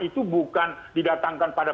itu bukan didatangkan pada